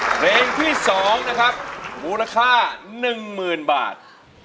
เพลงที่๒นะครับมูลค่า๑๐๐๐บาท